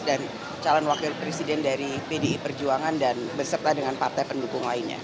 dan calon wakil presiden dari pdi perjuangan dan berserta dengan partai pendukung lainnya